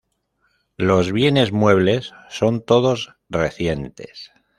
Los bienes muebles son todos recientes.